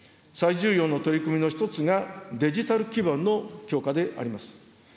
最重要の取り組みの一つが、デジタル基盤の強化であります。